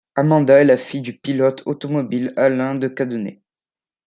Amanda est la fille du pilote automobile Alain de Cadenet.